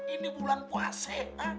ini bulan puase ha